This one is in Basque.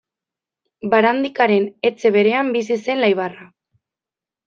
Barandikaren etxe berean bizi zen Laibarra.